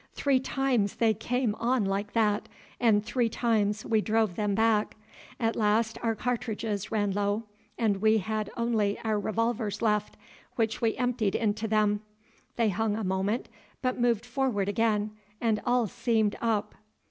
Three times they came on like that, and three times we drove them back. At last our cartridges ran low, and we only had our revolvers left, which we emptied into them. They hung a moment, but moved forward again, and all seemed up.